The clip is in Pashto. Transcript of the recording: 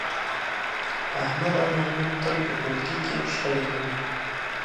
احمد او محمود تل په ټولگي کې شخړې کوي